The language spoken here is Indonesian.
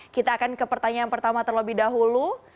kita akan ke pertanyaan pertama terlebih dahulu